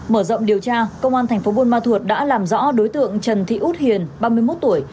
mở rộng điều tra công an thành phố buôn ma thuột đã làm rõ đối tượng trần thị út hiền ba mươi một tuổi